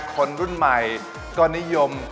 คนรุ่นใหม่ก็นิยม